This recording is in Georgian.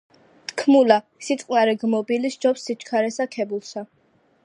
თქმულა: სიწყნარე გმობილი სჯობს სიჩქარესა ქებულსა